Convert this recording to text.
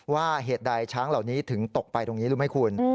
เหตุใดช้างเหล่านี้ถึงตกไปตรงนี้รู้ไหมคุณ